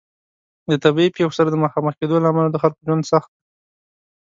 د طبیعي پیښو سره د مخامخ کیدو له امله د خلکو ژوند سخت دی.